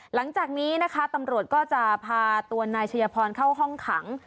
หลังจากนี้นะคะตำรวจก็จะพาตัวนายชัยพรเข้าห้องขัง